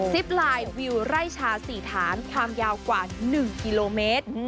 ไลน์วิวไร่ชา๔ฐานความยาวกว่า๑กิโลเมตร